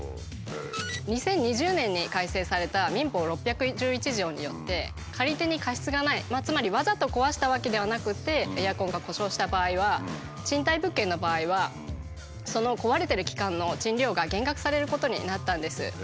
２０２０年に改正された民法６１１条によって借り手に過失がないつまりわざと壊したわけではなくてエアコンが故障した場合は賃貸物件の場合はその壊れてる期間の賃料が減額されることになったんです。